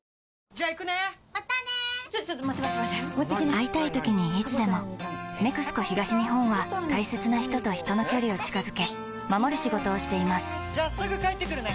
会いたいときにいつでも「ＮＥＸＣＯ東日本」は大切な人と人の距離を近づけ守る仕事をしていますじゃあすぐ帰ってくるね！